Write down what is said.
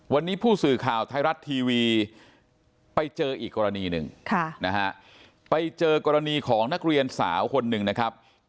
วันนี้ผู้สื่อข่าวไทยรัฐทีวีไปเจออีกกรณีหนึ่งนะฮะไปเจอกรณีของนักเรียนสาวคนหนึ่งนะครับ